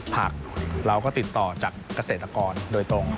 ผักเราก็ติดต่อจากเกษตรกรโดยตรง